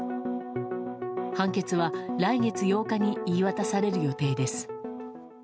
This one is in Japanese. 判決は来月８日に言い渡される予定です。